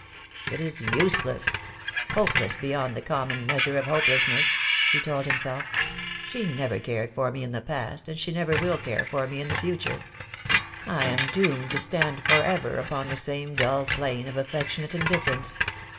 "It is useless — hopeless beyond the common measure of hopelessness," he told himself. "She never cared for me in the past, and she will never care for me in the future. I am doomed to stand for ever upon the same dull plane of affectionate indifference.